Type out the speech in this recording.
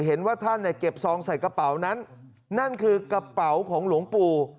เห็นว่าท่านเนี่ยเก็บซองใส่กระเป๋านั้นนั่นคือกระเป๋าของหลวงปู่